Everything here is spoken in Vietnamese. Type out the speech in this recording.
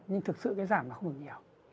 nhưng thực sự cái giảm là không được nhiều